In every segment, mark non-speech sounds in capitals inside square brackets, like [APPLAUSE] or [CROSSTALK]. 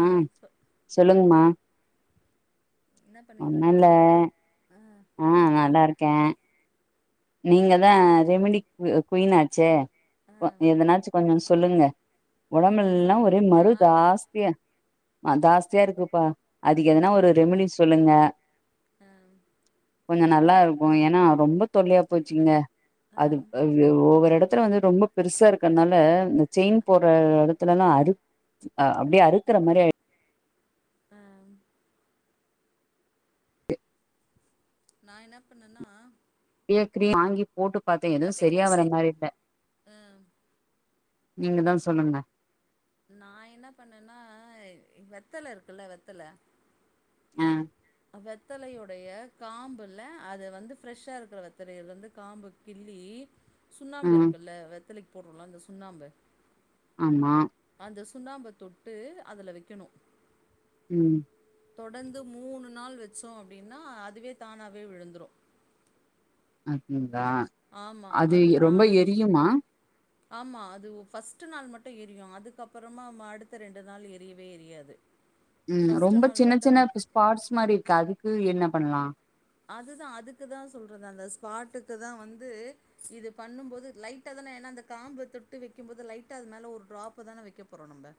ஆ சொ சொல்லுங்மா சொல்லுங்கப்பா என்ன பண்ணிட்டு ஒண்ணு இல்ல இருக்கீங்க ஆ ஆ நல்லா இருக்கே நீங்கதா ரெமிடி கு குயினாச்சே ஆ ஒ எதனாச்சு கொஞ்சொ சொல்லுங்க என்ன ஒடம்பெல்லா சொல்லணு ஒரே நா மரு ஜாஸ்தியா ஜாஸ்தியா இருக்குப்பா அதுக்கு ஆ எதுனா ஒரு ரெமிடி சொல்லுங்க ஆ அ கொஞ்சொ நல்லா இருக்கு ஏன்னா ரொம்ப தொல்லையா போச்சிங்க ஆ அது ஒவ்வொரு எடத் துல வந்து ரொம்ப பெருசா இருக்கத்னால இந்த செயின் போட்ற எடத்துலல்லா அறுக் அ அப்டியே அறுக்குற மாரி ஆ ஆ நா என்ன பண்ணனா க்ரீம் வாங்கி போட்டு பாத்தே எதுவு செரியா பாத்தீங்கன்னா வர்ற செரி மாரி இல்ல ம் நீங்கதா சொல்லுங்க நா என்ன பண்ணனா வெத்தல இருக்குல்ல வெத்தல அ வெத்தலையுடைய காம்புல அது வந்து ஃப்ரெஷ்ஷா இருக்குற வெத்தலைலேந்து காம்பு கிள்ளி ஆ சுண்ணாம்பு இருக்குல்ல வெத்தலைக்கி போட்றோல்ல அந்த சுண் ண்ணாம்பு ஆமா சுண்ணாம்ப தொட்டு அதுல வெக்கணு ம் தொடர்ந்து மூணு நாள் வெச்சோ அப்டின்னா அதுவே தானாவே விழுந்துரு அ ஹி தா அது ரொம்ப எரியுமா ஆமா அது ஃபர்ஸ்ட்டு நாள் மட்டு எரியு அதுக்கப்பறமா ம அடுத்த ரெண்டு நாள் எரியவே எரியாது ம் ஃபர்ஸ்ட்டு ரொம்ப நாள் சின்னச் மட்டும் சின்ன ஸ்பாட்ஸ் மாரி இருக்கு அதுக்கு என்ன பண்லா அதுதா அதுக்குதா சொல்றது அந்த ஸ்பாட்டுக்குதா வந்து இது பண்ணும்போது லைட்டாதானே ஏன்னா அந்த காம்ப தொட்டு வெக்கிம்போது லைட்டா அது மேலே ஒரு ட்ராப்ப தான வெக்க போறோ நம்ப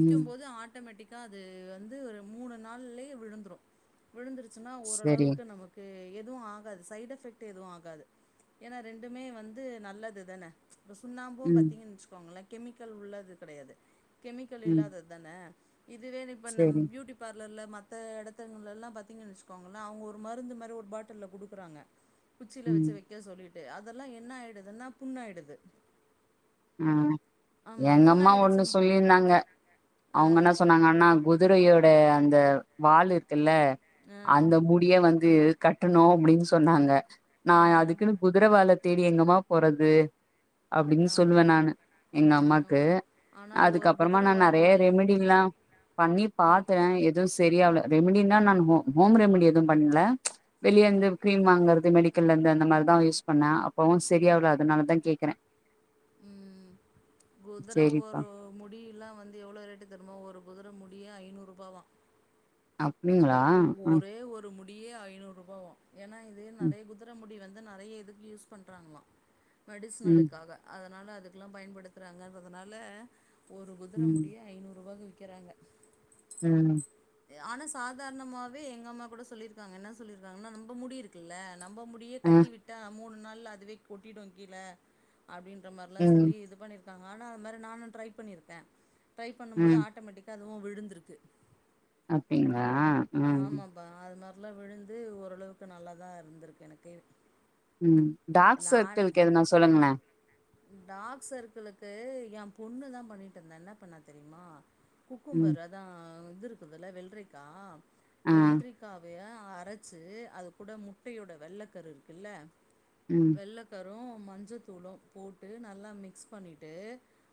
ம். போது ஆட்டொமெட்டிக்கா அது வந்து ஒரு மூணு நாள்லயே விழுந்துரு விழுந்துருச் சுன்னா சரி. ஓரளவுக் எதுவு ஆகாது சைடெஃபெக்ட் எதுவு ஆகாது ஏன்னா ரெண்டுமே வந்து நல்லது தான அப்போ சுண்ணாம்பு ம். பாத்தீங்கன் வச்சுக்கோங்களே கெமிக்கல் உள்ளது கடையாது கெமிக்கல் ம். இல்லாததுதான இதுவே இப்ப நம் சரி. பியூட்டி பார் லல்ல மத்த எடத்துங்கலல்லா பாத்தீங்கனு வச்சுக்கோங்கள அவங்க ஒரு ஒரு மருந்து மாரி ஒரு பாட்டில்ல குடுக்கறாங்க குச்சில வச்சி ம். வக்க சொல்லிட் து அதெல்லா என்ன ஆயிடுதுன்னா புண்ணாயிடுது அ ஆமாம் எங்கம்மா ஒண்ணு புண்ணாயிடுச்சுன்னா சொல்லிருந்தாங்க ஆ அவங்க என்ன சொன்னாங்கண்ணா கு துரையோட அந்த வாலு இருக்குல்ல ஆ அந்த முடிய வந்து கட்டணு அப்டின்னு சொன்னாங்க நா ஆ அதுக்குன்னு குதுர வால தேடி எங்கம்மா போறது அப் ஆமாம் சொல்வே நானு எங்க அம்மாக்கு ஆனால் ஒரு அதுக்கப்பறமா நா நெறைய குதிரவாலோடைய முடி ரெமிடி எல்லா பண்ணி பாத்த எதுவு செ செரியாவ்ல ரெமிடனா நான் ஹோம் ஹோம் ரெமிடி எதுவு பண்ணல ம் வெளியேந்து கிரீம் வாங்கறது மெடி க்கல்லந்து அந்த மாரி தா யூஸ் பண்ண அப்பவு செரியாவல அதனால தா கேக்கற ம் குதுர சரிப்பா ஒரு முடி லா வந்து எவ்ளோ ரேட்டு தெரியுமா ஒரு குதுர முடி அப்டியே ஐநூரூபாவா ஒ அப்டிங்களா ஒ ம் ஒரே ஒரு முடியே ஐநூரூபாவா ஏன்னா இது நெறைய குதுர முடி வந் து நெறைய இதுக்கு யூஸ் பண்றாங்களா ம் மெடிஸ்னலுக்காக அத அதனால அதுக்கெல்லா பயன்படுத்றாங்கன்றதனால ஒரு குதுர ம் முடியே ஐநூரூவாக்கு விக் விக்கிறாங்க ம் ஆனா சாதாரணமாவே எங்க அம்மா கூட சொல்லிருக்காங்க என்ன சொல்லிருக்காங்கன்னா நம்ப முடி இருக்குல்ல நம்ப முடிய ஆ கட்டிவிட்டா மூணு நாள் ல்ல அதுவே கொட்டிடு கீழ அப்டின்ற மாரிலா ம் சொல்லி இது பண்ணிரு இருக்காங்க ஆனா அது மாரி நானு ட்ரை பண்ணிருக்கே டிரை பண்ணும்போது ம் ஆட்டோமேட்டிக்கா அது அதுவு விழுந்துருக்கு அப்டிங் ஆமாப்பா அதா எல்லா விழுந்து ஓரளவுக்கு நல்லாதா இருந்திருக்கு எனக்கு உம் டார்க் சர்க்கிள்க்கு எதனா சொல்லுங்களே டாக் சர்க்குளுக்கு ஏ பொண்ணுதா பண்ணிட்டு இருந்தா என்ன பண்ணா தெரியுமா ம் குக்கும்பர் அதா இது இருக்குதுல்ல வெள்ரிக்கா ஆ வெள்ரிக்காவய அரைச்சி அது கூட முட்டையோட வெள்ள கரு இருக்குல்ல ம் வெள்ள கர் அப்பற மஞ்ச தூளு போட்டு நல்லா மிக்ஸ் பண்ணிட்டு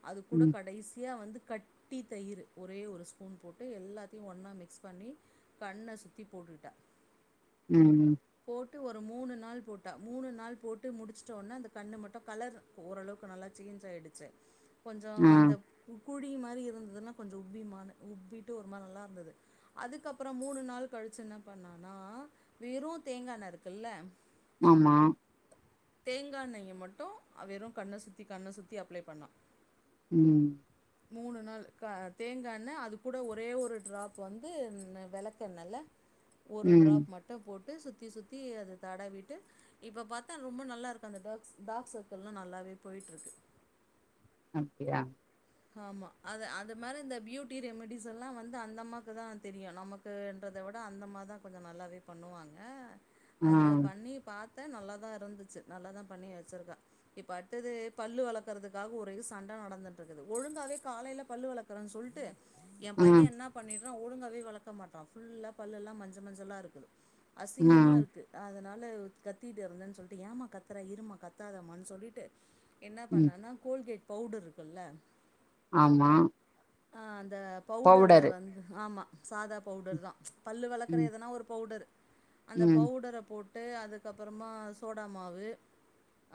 அது கூட ம் கடைசியா வந்து கட்டி தயிர்ரு ஒரே ஒரு ஸ்பூன் போட்டு எல்லாத்தையு ஒன்னா மிக்ஸ் பண்ணி கண்ணை சுற்றி போட்டுட்டா உம் உம் டு ஒரு மூணு நாள் போட்டா மூணு நாள் போட்டு முடிச்சுட்டோன அந்த கன்னு மட்டும் கலர் ஓரளவுக்கு நல்லா சீஞ் ஆய்டுச்சு கொஞ்சம் ஆ அந்த உப் குழி மாரி இருந்ததுன்னா கொஞ்சம் உபிமான உப்பிட்டு ஒரு மாரி நல்லா இருந்தது அதுக்கப்புறம் மூணு நாள் கழுச்சு என்ன பண்ணானா வெறும் தேங்காயெண்ண இருக்குல்ல ஆமா தேங்காயெண்ணய மட்டும் வெறும் கண்ண சுத்தி கண்ண சுத்தி அப்ளே பண்ணா உம் மூணு நாள் கா தேங்காயெண்ண அது கூட ஒரே ஒரு ட்ராப் வந்து வெளக்கெண்ணல்ல ஒரு ம் டிராப் மட்டும் போட் டு சுத்தி சுத்தி அத தடவிட்டு இப்ப பாத்தா ரொம்ப நல்லா இருக்கு அந்த டாக்ஸ் டார்க் சர்க்கிள்ல்லாம் நல்லாவே போய்ட்ருக்கு அப்டியா ஆமா அத அது மாரி இந்த பியூட்டி ரெமடிஸ் எல்லாம் வந்து அந்த அம்மாக்கு தான் தெரியும் நமக்குன்றத விட அந்தம்மா தான் கொஞ்சம் நல்லாவே பண்ணுவாங்க ஆ அதுல பண்ணி பாத் தே நல்லா தான் இருந்துச்சு நல்ல தான் பண்ணி வச்சிருக்கா இப்ப அடுத்தது பல்லு வளர்க்குறதுக்காக ஒரே சண்டை நடந்துட்டு இருக்கு து ஒழுங்காவே காலேல பல்லு வெளக்கறேனு சொல்ட்டு என் ஆ பையன் என்ன பண்ணிரு ஒழுங்காவே வெளக்க மாட்றான் ஃபுல்லா பல்லல்லாம் மஞ்ச மஞ்சல்லா இருக்குது ஆ அசிங்கமா இருக்கு அதனால் நல்ல கத்திட்டு இருந்தேன்னு சொல்லிட்டு ஏமா கத்துற இரும்மா கத்தாதம்மானு சொல்லிட்டு என்ன ம் பண்ணான்னா கோல்கேட் பவுடர் இருக்குல ஆமா ஆஹ் அந் அந்த பவுடர பவுடரு வந்து ஆமா சாதா பவ்டர் தான் ச் பல்லு வெளக்குற ம் எதுனா ஒரு பவுடரு அந்த ம் பவ்டர போட் ட்டு அதுக்கப்புறமா சோடா மாவு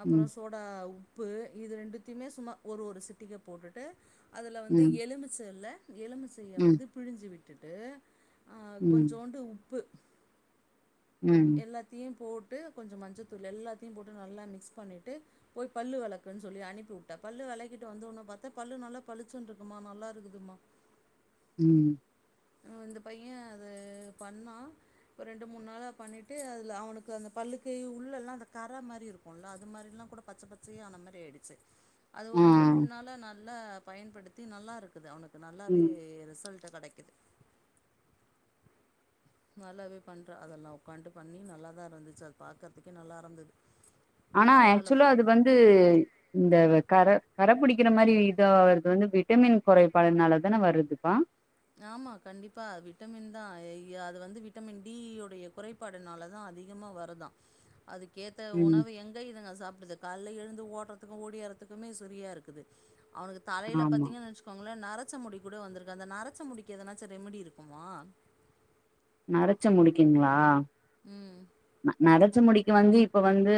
அப்புறம் ம் சோடா உ உப்பு இது ரெண்டுத்தயுமே சும்மா ஒரு ஒரு சிட்டிக போட்டுட்டு அதுல வந்து ம் எலுமிச்ச இல்ல எலுமிச்சைய ம் வந்து பிழிஞ்சு விட் விட்டுட்டு அஹ் ம் கொஞ்சோண்டு உப்பு ம் எல்லாத்தையும் போட் டு கொஞ்சம் மஞ்சத்தூள் எல்லாத்தையும் போட்டு நல்லா மிக்ஸ் பண்ணிட்டு போய் பல்லு வெளக்குன்னு சொல்லி அனுப்பி உட்டேன் பல்லு வெளக்கிட்டு வந்த ஒன்னே பாத்தன் பல்லு நல்லா பளிச்சுனு இருக்குமா நல்லா இருக்குதுமா உம் ம் இந்த பையன் அது பண்ணா ரெண்டு மூணு நாளா பண்ணிட்டு அதுல அவனுக்கு அந்த பல்லுக்கு உள்ளல்லாம் அந்த கர மாரி இருக்குல அது மாரிலாங்கூட பச்ச பச்சயான மாதிரி ஆயிடுச்சு அது ஆ ஒரு ரெண்டு மூணு நாளா நான் நல்லா பயன்படுத்தி நல்லா இருக்குது அவனுக்கு நல்லாவே ம் ரிசல்ட் இந்த கடைக் நல்லாவே பண்றா அதெல்லாம் உக்காண்டு பண்ணி நல்லாதான் இருந்துச்சு அது பாக்கற்துக்கே நல்லா இருந்தது ஆனா பரவாயில்ல ஆக்சுவலா அது வந்து இந்த கர கர புடிக்கிற மாரி இதா வருது வந்து விட்டமின் கொறைபாடுனாலதான வருதுப்பா ஆமா கண்டிப்பா விட்டமின் தான் அஇய அது வந்து விட்டமின் டியோடைய குறைபாடுனாலதான் அதிகமா வருதா அதுக்கேத்த ம் உணவு எங்க இதுங்க சாப்டுது கால்ல எழுந்து ஓட்றதுக்கும் ஓடியாறதுக்குமே சரியா இருக்குது அவனுக்கு தலைல ஆமா பாத்தீங்கன்னு வச்சுக்கோங்களேன் நர ச்ச முடி கூட வந்ததுருக்கு அந்த நர ச்ச முடிக்கு எதனாச்சும் ரெமடி இருக்குமா நரச்ச முடிக்குங்களா ம். நரச்ச முடிக்கு வந்து இப்ப வந்து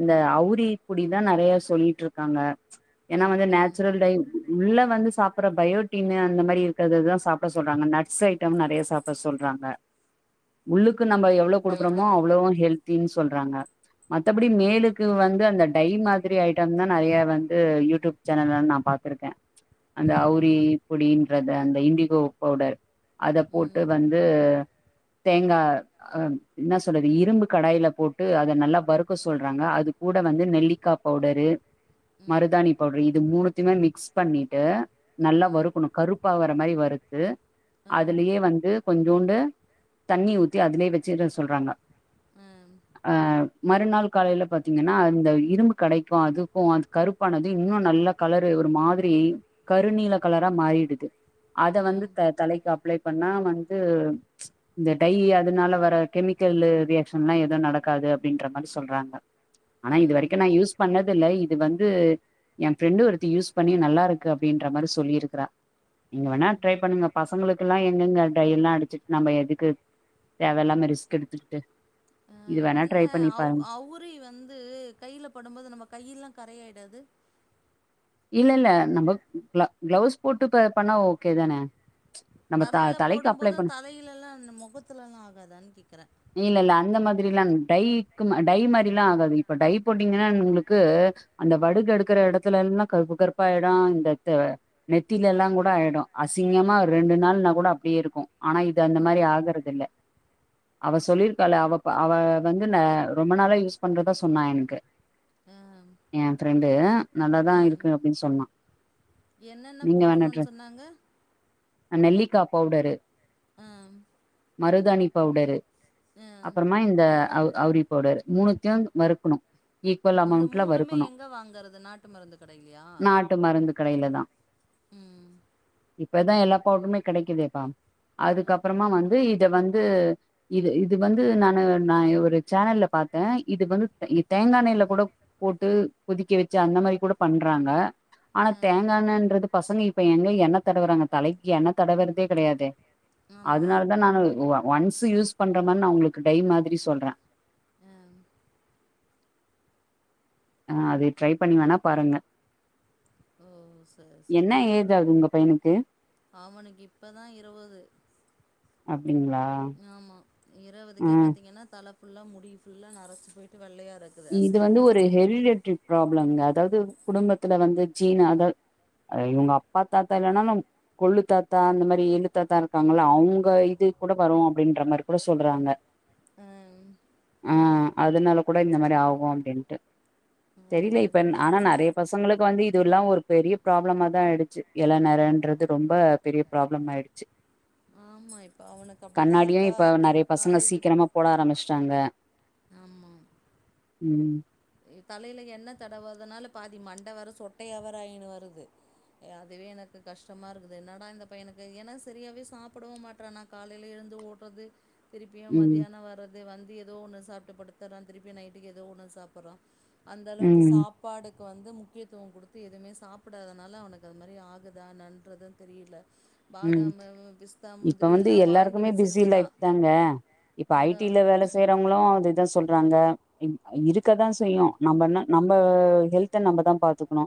இந்த அவுரி குடிதான் நெறைய சொல்லிட்டுருக்காங்க ஏன்னா வந்து ம். நேச்சுரல் டை உள்ள வந்து சாப்பற பயோட்டின்னு அந்த மாரி இருக்கற்ததான் சாப்ட சொல்றாங்க நட்ஸ் ஐட்டம் நெறைய சாப்ட சொல்றாங்க உள்ளுக் கு நம்ப எவ்ளோ இப்ப குடுக்குறோமோ குடு ளோவும் ஹெல்தின்னு சொல்றாங்க மத்தபடி மேலுக்கு வந்து அந்த டை மாதிரி ஐட்டம் தான் நெறைய வந்து யூடியூப் சேனல்ல நான் பாத்திருக்கேன் அந்த ம். அவுரி இப்டி து அந்த இண்டிகோ பவுடர் அத போட்டு ம். வந்து தேங்கா அஹ் நஷ் சொறது இரும்பு கடாயில போட்டு அத நல்லா வறுக்க சொல்றாங்க, அது கூட வந்து நெல்லிக்கா பவுடரு, ம். மருதானி பவுடரு, இது மூணுத்தியுமே மிக்ஸ் பண்ணிட்டு நல்லா ம். வறுக்கணும், கருப்பாகர மாரி வறுத்து, அ. அதுலியே வந்து கொஞ்சோண்டு தண்ணி ஊத்தி அதுலியே வச்சுற சொல்றாங்க. அம். அஹ் மறுநாள் காலைல பாத்தீங்னா அந்த இரும்பு கடைக்கும், அதுக்கும் அது கருப்பானதும் இன்னும் நல்ல கலரு ஒரு மாதிரி கருநீல கலரா மாறிடுது. அத வந்து அம். தலைக்கு அப்ளை பண்ணா வந்து இந்த டை அதனால வர கெமிக் கல்லு ரியாக்சன்லா எதும் நடக்காது அப்படின்றமாரி சொல்றாங்க, ஆனா இது அம். வரைக்கும் நா யூஸ் பண்ணதுல, இது வந்து என் பிரண்டு ஒருத்தி யூஸ் பண்ணி நல்லா இருக்கு அப்படின்ற மாரி சொல்லிருக்ரா, நீங்க வேணா அம். ட்ரை பண்ணுங்க பசங்ளுக்குலாம் எங்கங்க டைலா அடிச்சி நம எதுக்கு தேவலாம ரிஸ்க் டுக்டே அஹ் இல்ல அவு அவுரி வந்து கையில படும்போது நம்ம கையிலாம் கரையாயிடாது? இல்ல இல்ல நம்ம க்ளௌ க்ளௌஸ் போட்டு பண்ணா ஓகே தானே நம்ம த தலைல தலைக்கு போடும் அப்ளை போதும் பண்ண தலைலலா முகத்துலலாம் ஆகாதானு கேக்கற தெரில டைக்கு டை மாரிலா ஆகாது, இப்ப டை போட்டீங்னா உங்ளுக்கு அந்த வடுகு எடுக்ற இடத்துலலாம் கருப்பு கருப்பா ஆயிடும், இந்த த்த நெத்தில எலாம் கூட ஆயிடும், அசிங்கமா ரெண்டு நாள்னா கூட அப்டியே இருக்கும், ஆனா இது அந்த ம் மாரி ஆகறதில்ல. அவ சொல்லியிருக்கால அவ அவ வந்து நா ரொம்ப நாளா யூஸ் பண்றதா சொன்னா எனக்கு, அ என் ஃப்ரெண்டு அ நல்லாதான் இருக் க்கு அப்டினு சொன்னா என்னென்ன போடணுன்னு சொன்னாங்க? அ நெல்லிக்கா பவுடரு ஆம் மருதாணி பவுடரு அப்றமா இந்த அவு அவுரி பவுடரு மூணுதியு வறுக்கணு ஈக்குவல் இந்த அமௌண்ட்ல மூணுமே வறுக்கணு எங்க வாங்கறது நாட்டு மருந்துக் நாட்டு மருந்து கடைலதா ம் இப்பதா எல்லா பவுடருமே கிடைக்குதேபா ம் அதுக்கப்றமா வந்து இத் இத வந்து இது இது வந்து நானு நா ஒரு சேனல்ல பாத்தே இது வந்து தேங்கானைல கூட போட்டு கொதிக்க வச்சு அந்த மாரி கூடப் பண்றாங்க ஆனா ம் தேங்கான்னன்றது பசங்க இப்ப எங்கை என்ன தடவுறாங்க தலைக்கு என்ன தடவுறதே கெடையாதே ஆமா அதனால தா நானு இவா ஒன்ஸ் யூஸ் பண்ற மாரி நா உங்ளுக்கு டை மாதிரி சொல்ற ம் ஆ, அது ட்ரை பண்ணி வேணா பாருங்க ஓ சரி என்ன சரி ஏஜ் ஆகுது உங்க பையனுக்கு அவனுக்கு இப்பதா இருவது அப் ங்களா இரவதுக்கே பாத்தீங்கன்னா தலப் ஃபுல்லா முடி ஃபுல்லா நரச்சு போய்டு இது வந்து ஒரு ஹெரிரெட்ரி ப்ராப்ளம்ங்க அத் தாவ்து குடும்பத்துல வந்து ஜீன அத இவங்க அப்பா தாத்தா இல்லேனாலு கொள்ளு தாத்தா அந்த மாரி எள்ழு தாத்தா இருக்காங்கள அவங்க இது கூட வரு அப்டின்ற மாரி கூட சொல்றாங்க ம் ஆ அதனால கூட இந்த மாத் த ஆகு அப்டின்ட்டு அது தெரிலே இப் பெண் ஆனா இருந்தாலு நெறைய பசங்களுக் வந்து இதுவல்லா ஒரு பெரிய ப்ராப்ளமா தா ஆயடுச்சு இள நெரன்றது ரொம்ப பெரிய ப்ராப்ளம் ஆயிடுச்சு ஆமா இப்ப அவனுக்கு அப்டிதா கண்ணாடியு இருக்கா இப்ப நெறைய பசங்க காலேஜு சீக்கிரமா போட ஆரம்பிச்சிட்டாங்க உம் எ தலையில எண்ண தடவரதுனால பாதி மண்ட வேர சொட்டய வேர ஆயினு வருது அதுவே எனக்கு கஷ்டமா இருக்குது என்னடா இந்த பையனுக்கு ஏன்னா சரியாவே சாப்புடவு மாட்றான்னா காலையில எழுந்து ஓடுறது திருப்பியு ம் மதியான வர்றத் து வந்து ஏதோ ஒன்ன சாப்டு படுத்தர்ரா திருப்பி நைட்டுக்கு ஏதோ ஒன்னு சாப் புறோ அந்த அளவுக்கு ம் சாப்பாடு க்கு வந்து முக்கியத்துவம் கொடுத்து எதுவுமே சாப்பிடாதனால அவனுக்கு அது மாரி ஆகுதா என்னறது தெரியல உம் பாதாம் பிஸ்தா இப்ப முந்திரி வந்து எல்லாம் வாங்கி எல்லாருக்குமே பிஸி லைஃப் வச்சுருக்கதான் தாங்க இப்ப அதான் ஐடில வேலை செய்யறவங்களு அது இதான் சொல்றாங்க ம் இருக்கதா செய்யு நம்ப என்ன நம்ப ஹெல்த்த நம்பத பாத்துக்குணு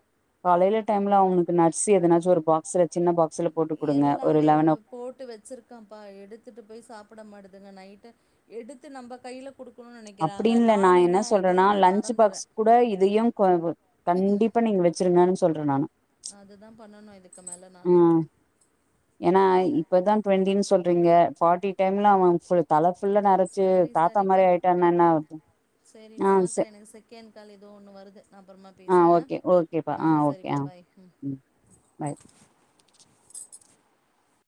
காலேயில டைம்ல அவனுக்கு நட்ஸ் எதனாச்சு ஒரு பாக்ஸ்சு சின்ன பாக்ஸ்ல போட் எல்லாமே ஓ போட்டு வெச்சிருக்கப்பா எடுத்துட்டு போய் சாப்பிட மாட்டே துங்க நைட்டு எடுத்து நம்ம கைல குடு அப்படின்ல நா என்ன சொல்றேன்னா நான் லன்ச் பாக்ஸ் மறந்துறேன் கூட இதையு கொ கண்டிப்பா நீங்க வெச்சிருங்கன் சொல்றே நானு அதுதா பண்ணணு இதுக் உம் ஏன்னா ச இப்பதா டுவென்டினு சொல் ட்ரிங்க ஃபாட்டி டைம்ல அவங் ஃபுல் தல ஃபுல்லா நெறச்சு சரி தாத்தா சரிப்பா மாரி ஆயிட்டான்னா என்ன ஆவுறது? [INAUDIBLE] சரி ஆ ச பாக்குறே எனக்கு செகண்ட் கால் ஏதோ ஒண்ணு வருது நா அப்பொறமா ஆ பேசுற ஓகே ஓகேப்பா ஆ ஆஹ ஓகே சரிப்பா ஆ பாய் உம் ம் பாய்